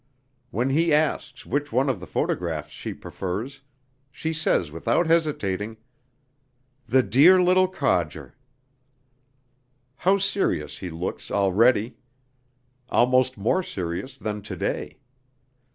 When he asks which one of the photographs she prefers, she says without hesitating: "The dear little codger...." How serious he looks, already! Almost more serious than today.